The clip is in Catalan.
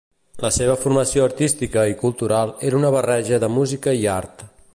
La seva formació artística i cultural era una barreja de música i art.